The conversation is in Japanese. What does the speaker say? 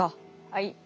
はい。